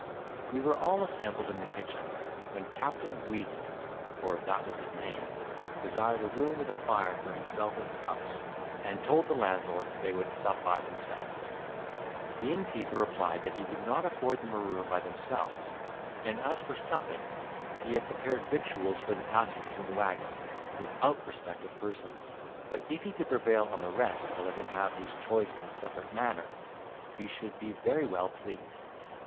We were all assembled in the kitchen, when Captain Weazel (for that was his name) desired a room with a fire for himself and spouse, and told the landlord they would up by themselves. The innkeeper replied that he could not afford them a room by themselves; and as for supping, he had prepared victuals for the passengers in the waggon, without respect of persons, but if he could prevail on the rest to let him have his choice in a separate manner, he should be very well pleased.